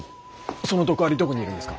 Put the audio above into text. その毒アリどこにいるんですか！？